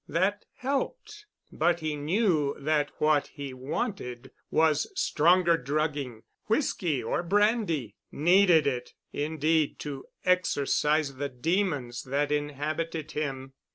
That helped. But he knew that what he wanted was stronger drugging—whisky or brandy—needed it indeed to exorcise the demons that inhabited him.